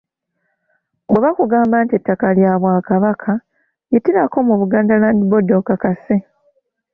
Bwe bakugamba nti ettaka lya Bwakabaka, yitirako mu Buganda Land Board okakase.